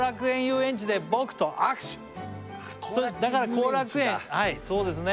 だから後楽園はいそうですね